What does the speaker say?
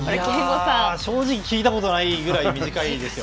正直聞いたことがないぐらい短いですよ。